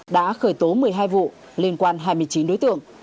đã khởi tố một mươi hai vụ liên quan hai mươi chín đối tượng